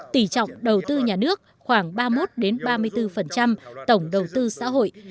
tỷ trọng đầu tư nhà nước khoảng ba mươi một ba mươi bốn tổng đầu tư xã hội